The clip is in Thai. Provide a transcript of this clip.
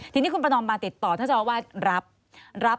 ทีนี้คุณประนอมมาติดต่อท่านเจ้าอาวาสรับรับ